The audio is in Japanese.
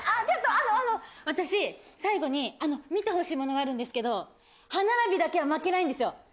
ちょっとあの私最後に見てほしいものがあるんですけど歯並びだけは負けないんですよ。